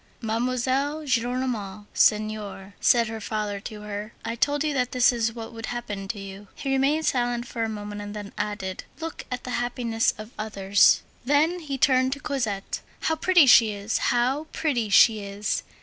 "Mademoiselle Gillenormand senior," said her father to her, "I told you that this is what would happen to you." He remained silent for a moment, and then added: "Look at the happiness of others." Then he turned to Cosette. "How pretty she is! how pretty she is!